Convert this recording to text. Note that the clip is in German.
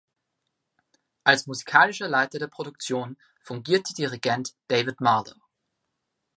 Als musikalischer Leiter der Produktion fungierte Dirigent David Marlow.